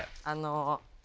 あの。